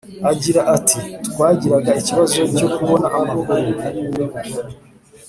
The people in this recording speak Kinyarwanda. agira ati “twagiraga ikibazo cyo kubona amakuru